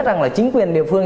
rằng là chính quyền địa phương